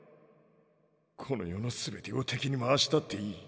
この世のすべてを敵に回したっていい。